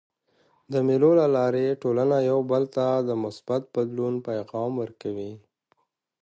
د مېلو له لاري ټولنه یو بل ته د مثبت بدلون پیغام ورکوي.